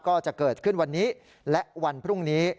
ก็จะเกิดขึ้นวันนี้และวันพรุ่งนี้